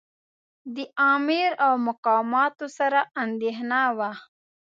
د امیر او مقاماتو سره اندېښنه وه.